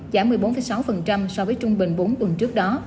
giảm một mươi bốn sáu so với trung bình bốn tuần trước đó